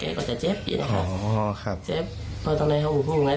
แกก็จะเจ็บอย่างนี้ครับเจ็บตรงไหนเขาหุ่นไง